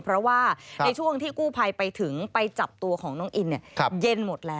เพราะว่าในช่วงที่กู้ภัยไปถึงไปจับตัวของน้องอินเย็นหมดแล้ว